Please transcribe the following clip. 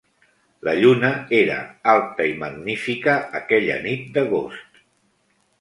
La lluna era alta i magnífica aquella nit d'agost.